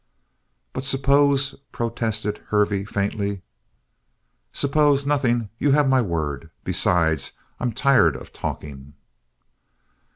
"But suppose " protested Hervey faintly. "Suppose nothing. You have my word. Besides, I'm tired of talking!"